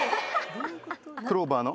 クローバーの？